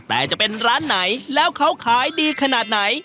แต่จะเป็นร้านไหนแล้วเขาขายดีขนาดไหน